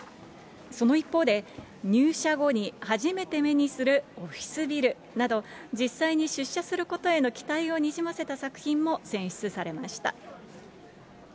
その一方で、入社後に初めて目にするオフィスビルなど実際に出社することへの期待をにじませた作品も選出されました。